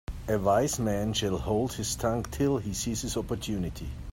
A wise man shall hold his tongue till he sees his opportunity.